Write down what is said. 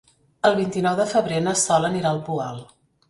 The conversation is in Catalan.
El vint-i-nou de febrer na Sol anirà al Poal.